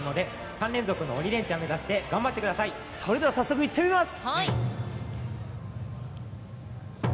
３連続の鬼レンチャン目指してそれでは早速、いってみます！